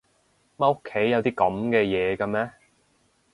乜屋企有啲噉嘅嘢㗎咩？